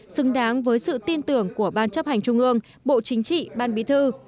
xứng đáng với sự tin tưởng của ban chấp hành trung ương bộ chính trị ban bí thư